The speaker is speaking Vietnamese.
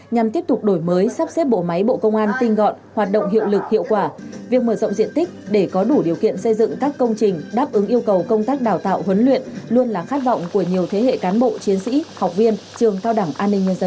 nhằm tiếp tục đổi mới sắp xếp bộ máy bộ công an tinh gọn hoạt động hiệu lực hiệu quả việc mở rộng diện tích để có đủ điều kiện xây dựng các công trình đáp ứng yêu cầu công tác đào tạo huấn luyện luôn là khát vọng của nhiều thế hệ cán bộ chiến sĩ học viên trường cao đẳng an ninh nhân dân